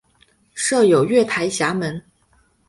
设有月台闸门。